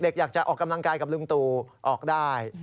อยากจะออกกำลังกายกับลุงตู่ออกได้